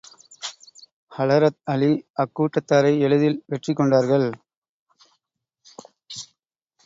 ஹலரத் அலி அக்கூட்டத்தாரை எளிதில் வெற்றி கொண்டார்கள்.